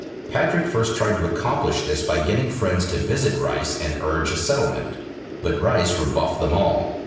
Patrick first tried to accomplish this by getting friends to visit Rice and urge a settlement. But Rice rebuffed them all.